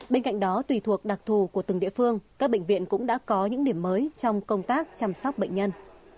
bên cạnh đó tùy thuộc đặc thù của từng địa phương các bệnh viện cũng đã có những điểm mới trong công tác chăm sóc bệnh nhân